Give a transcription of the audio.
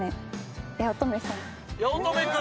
八乙女君！